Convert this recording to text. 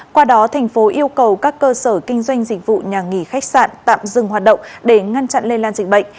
qua đó thành phố yêu cầu các cơ sở kinh doanh dịch vụ nhà nghỉ khách sạn tạm dừng hoạt động để ngăn chặn lây lan dịch bệnh